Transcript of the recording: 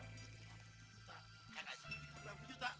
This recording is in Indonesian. kita kagak segitu berapa juta